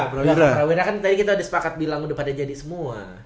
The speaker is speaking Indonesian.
nah wira kan tadi kita udah sepakat bilang udah pada jadi semua